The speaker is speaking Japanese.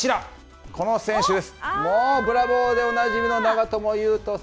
この選手です。